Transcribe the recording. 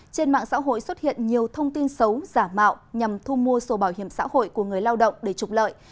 trên mạng xã hội xuất hiện nhiều thông tin xấu giả mạo nhằm thu mua sổ bảo hiểm xã hội của người lao động để trục lợi